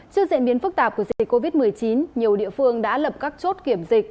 trước diễn biến phức tạp của dịch covid một mươi chín nhiều địa phương đã lập các chốt kiểm dịch